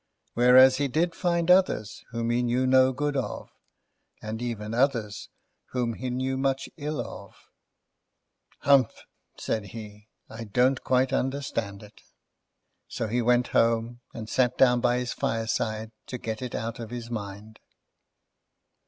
Whereas, he did find others whom he knew no good of, and even others whom he knew much ill of. "Humph!" said he. "I don't quite understand it." So, he went home, and sat down by his fireside to get it out of his mind.